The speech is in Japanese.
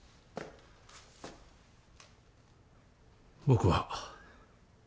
僕は。